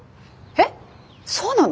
えっそうなの？